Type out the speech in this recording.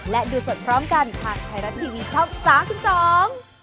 และดูสดพร้อมกันภาคไทยรัฐทีวีช่อง๓๒